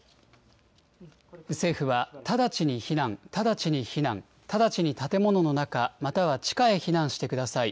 政府は直ちに避難、直ちに避難、直ちに建物の中、または地下へ避難してください。